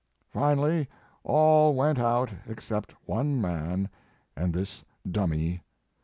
Finally all went out except one man and this dummy.